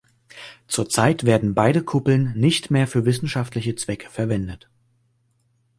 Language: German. Zurzeit werden beide Kuppeln nicht mehr für wissenschaftliche Zwecke verwendet.